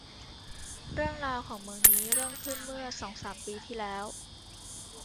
เรื่องราวของเมืองนี้เริ่มขึ้นเมื่อสองสามพันปีที่แล้ว